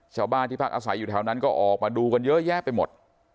ชาวบ้านที่พักอาศัยอยู่แถวนั้นก็ออกมาดูกันเยอะแยะไปหมด